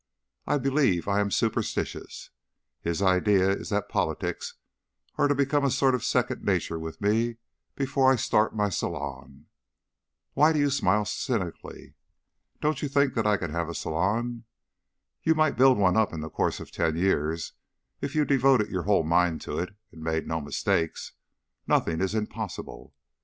I believe I am superstitious. His idea is that politics are to become a sort of second nature with me before I start my salon Why do you smile cynically? Don't you think I can have a salon?" "You might build up one in the course of ten years if you devoted your whole mind to it and made no mistakes; nothing is impossible.